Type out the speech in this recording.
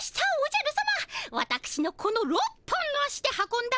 わたくしのこの６本の足で運んだ